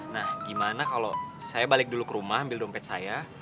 nah gimana kalau saya balik dulu ke rumah ambil dompet saya